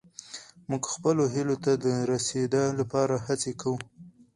موږ خپلو هيلو ته د رسيدا لپاره هڅې کوو.